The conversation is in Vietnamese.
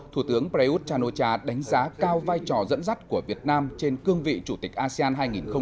thủ tướng prayuth chan o cha đánh giá cao vai trò dẫn dắt của việt nam trên cương vị chủ tịch asean hai nghìn hai mươi